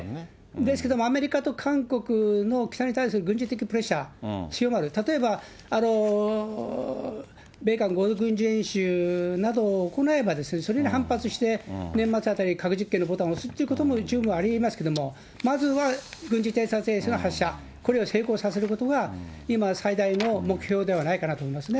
ですけども、アメリカと韓国の北に対する軍事的プレッシャー強まる、例えば米韓合同軍事演習などを行えば、それに反発して、年末あたり、核実験のボタン押すっていうことも十分ありえますけれども、まずは軍事偵察衛星の発射、これを成功させることが今、最大の目標ではないかなと思いますね。